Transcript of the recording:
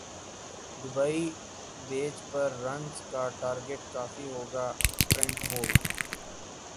Dubai pitch پر runs کا target کافی ہو گا ٹرینٹ بولٹ